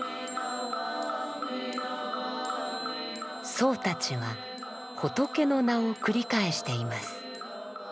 僧たちは仏の名を繰り返しています。